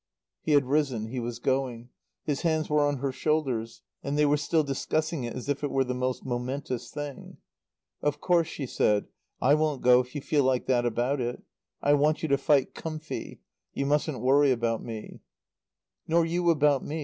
He had risen. He was going. His hands were on her shoulders, and they were still discussing it as if it were the most momentous thing. "Of course," she said, "I won't go if you feel like that about it. I want you to fight comfy. You mustn't worry about me." "Nor you about me.